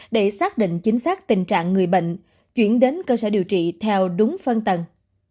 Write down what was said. để xác định chính xác tình trạng người bệnh chuyển đến cơ sở điều trị theo đúng phân tầng